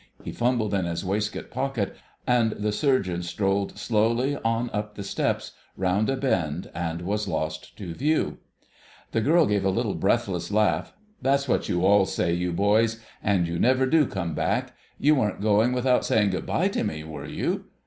he fumbled in his waistcoat pocket, and the Surgeon strolled slowly on up the steps, round a bend, and was lost to view. The girl gave a little breathless laugh. "That's what you all say, you boys. And you never do come back.... You weren't going without saying good bye to me, were you?"